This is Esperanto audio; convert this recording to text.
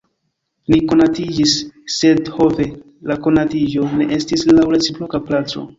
Ni konatiĝis, sed ho ve! la konatiĝo ne estis laŭ reciproka plaĉo.